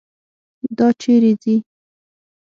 دا چیرې ځي.